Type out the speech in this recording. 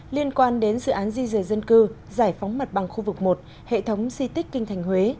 liên quan đến dự án di rời dân cư giải phóng mặt bằng khu vực một hệ thống di tích kinh thành huế